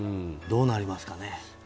どうなりますかね？